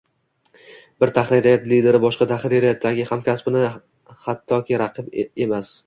Bir tahririyat lideri boshqa tahririyatdagi hamkasbini hattoki raqib emas